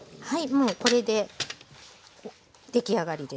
もうこれで出来上がりです。